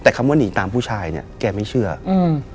แต่คำว่าหนีตามผู้ชายเนี้ยแกไม่เชื่ออืม